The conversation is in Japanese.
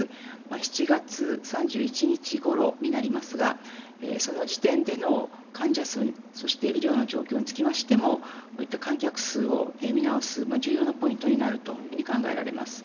７月３１日ごろになりますがその時点での患者数医療の状況につきましても観客数を見直す重要なポイントになると考えられます。